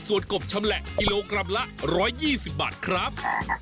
ส่วนกบชำแหละกิโลกรัมละ๑๒๐บาทครับ